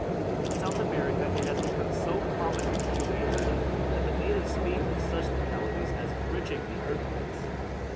In South America it has become so common a peculiarity that the natives speak of such localities as "bridging" the earthquakes.